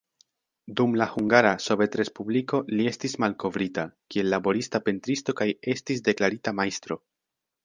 Dum la Hungara Sovetrespubliko li estis malkovrita, kiel laborista pentristo kaj estis deklarita majstro.